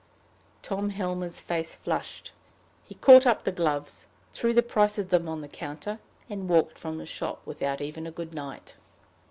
Tom Helmer's face flushed. He caught up the gloves, threw the price of them on the counter, and walked from the shop, without even a good night.